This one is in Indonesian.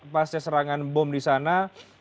pasca serangan bom di sana